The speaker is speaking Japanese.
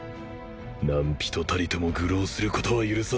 何ぴとたりとも愚弄することは許さん。